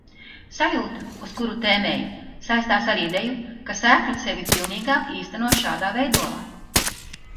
Sajūta, uz kuru tēmēju, saistās ar ideju, ka sēkla sevi pilnīgāk īsteno šādā veidolā.